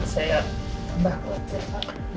saya tambah kelatir